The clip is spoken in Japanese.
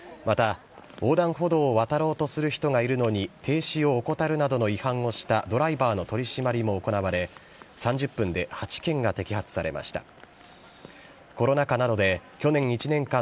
また横断歩道を渡ろうとする人がいるのに停止を怠るなどの違反をしたドライバーの取締りも行われ、３０分で８件が摘発されました。